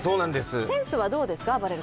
センスはどうですか？